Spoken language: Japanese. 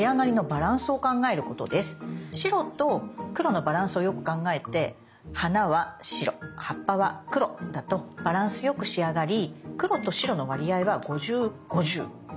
白と黒のバランスをよく考えて花は白葉っぱは黒だとバランスよく仕上がり黒と白の割合は５０５０のイメージ。